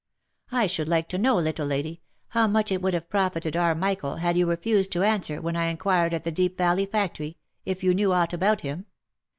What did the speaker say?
I should like to know, little lady, how much it would have profited our Michael had you refused to answer when I inquired at the Deep Valley factory, if you knew aught about him?